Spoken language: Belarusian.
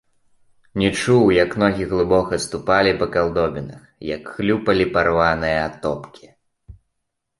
Не чуў, як ногі глыбока ступалі па калдобінах, як хлюпалі парваныя атопкі.